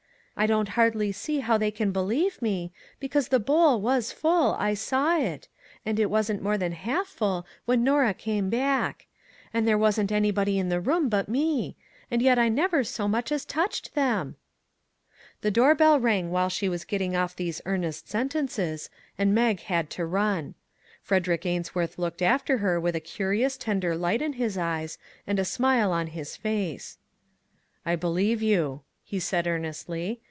I don't hardly see how they can believe me; because the bowl was full I saw it; and it wasn't more than half full when Norah came back; and there wasn't anybody in the room but me; and yet I never so much as touched them !" The door bell rang while she was getting off these earnest sentences, and Mag had to run. Frederick Ainsworth looked after her with a 96 A CRUMB OF COMFORT' 1 curious, tender light in his eyes and a smile on his face. " I believe you," he said earnestly.